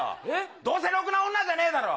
どうせろくな女じゃねえだろう。